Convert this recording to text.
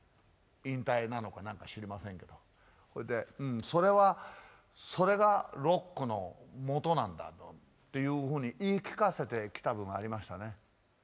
引退なのか何か知りませんけどそれでうんそれはそれがロックのもとなんだというふうに言い聞かせてきた部分がありましたね。